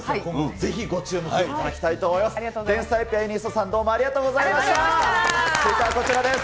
ぜひご注目いただきたいと思います。